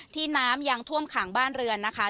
น้ำยังท่วมขังบ้านเรือนนะคะ